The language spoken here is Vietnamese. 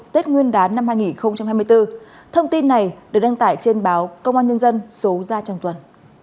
tết nguyên đán năm hai nghìn hai mươi bốn thông tin này được đăng tải trên báo công an nhân dân số ra trong tuần